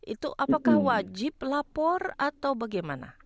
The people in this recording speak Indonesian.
itu apakah wajib lapor atau bagaimana